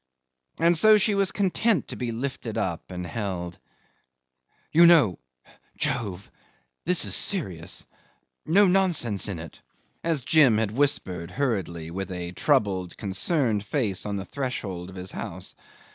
And so she was content to be lifted up and held. "You know Jove! this is serious no nonsense in it!" as Jim had whispered hurriedly with a troubled concerned face on the threshold of his house.